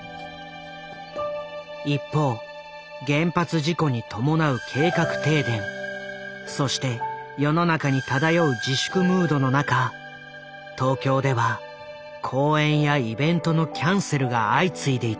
一方原発事故に伴う計画停電そして世の中に漂う自粛ムードの中東京では公演やイベントのキャンセルが相次いでいた。